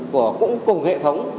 của cũng cùng hệ thống